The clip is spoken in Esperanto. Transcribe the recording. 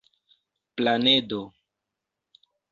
planedo